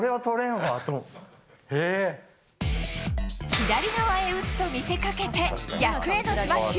左側へ打つと見せかけて逆へのスマッシュ。